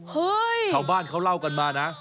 ชาวบ้านเขาเล่ากันมานะ